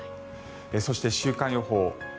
そして、週間予報。